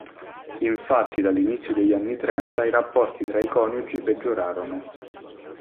Infatti, dall'inizio degli anni Trenta i rapporti tra i coniugi peggiorarono.